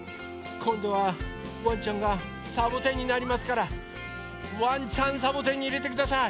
こんどはワンちゃんがサボテンになりますからワンちゃんサボテンにいれてください。